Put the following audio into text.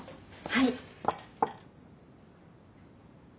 はい。